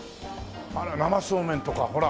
「生そうめん」とかほら。